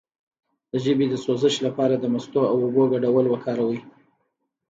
د ژبې د سوزش لپاره د مستو او اوبو ګډول وکاروئ